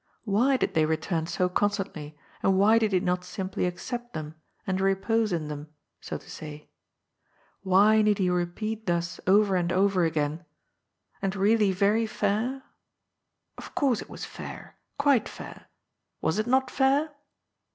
Why did they return so constantly, and why did he not simply accept them, and repose in them, so to say ? Why need he repeat thus over and oTcr again : And really Tery fair ? Of course it was fair. Quite fair. Was it not fair?